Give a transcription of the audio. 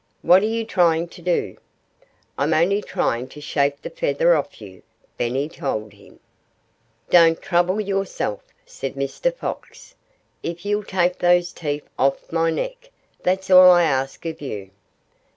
"What are you trying to do?" "I'm only trying to shake the feather off you," Benny told him. "Don't trouble yourself," said Mr. Fox. "If you'll take those teeth off my neck, that's all I'll ask of you."